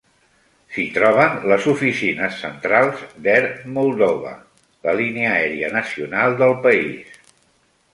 S'hi troben les oficines centrals d'Air Moldova, la línia aèria nacional del país.